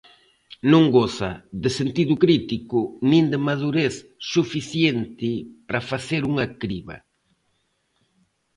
Non goza de sentido crítico nin de madurez suficiente para facer unha criba.